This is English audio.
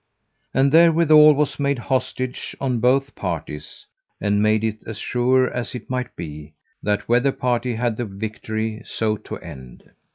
And therewithal was made hostage on both parties, and made it as sure as it might be, that whether party had the victory, so to end.